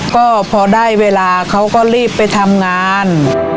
ก็พอได้เวลาเขาก็รีบไปทำงาน